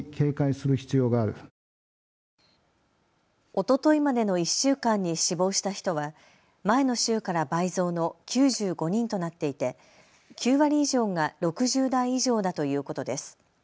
おとといまでの１週間に死亡した人は前の週から倍増の９５人となっていて９割以上が６０代以上だということです。